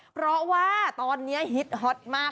เพราะว่าตอนนี้ฮิตฮอตมาก